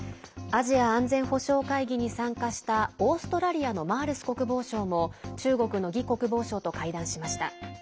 アジア安全保障会議に参加したオーストラリアのマールス国防相も中国の魏国防相と会談しました。